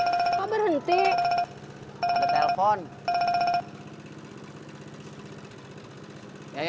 ya young apa jedewang ke lagu nucarnya ya inyay